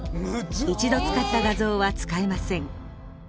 一度使った画像は使えません。